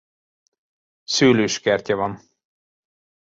Szőlőskertje van.